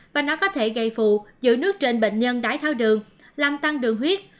và nó có thể gây phụ giữ nước trên bệnh nhân đái thao đường làm tăng đường huyết